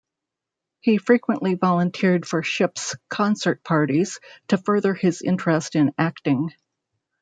He frequently volunteered for ships' concert parties to further his interest in acting.